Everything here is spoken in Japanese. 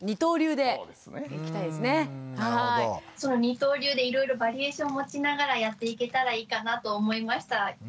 その二刀流でいろいろバリエーション持ちながらやっていけたらいいかなと思いました。